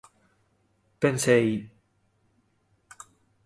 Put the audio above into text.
Pensei: